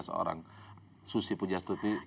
seorang susi pujastuti